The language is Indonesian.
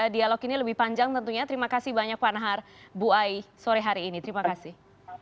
dialog ini lebih panjang tentunya terima kasih banyak pak nahar bu ai sore hari ini terima kasih